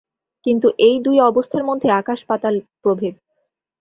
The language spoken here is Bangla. কিন্তু এই দুই অবস্থার মধ্যে আকাশ-পাতাল প্রভেদ।